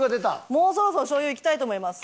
もうそろそろ醤油いきたいと思います。